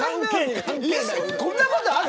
こんなことある。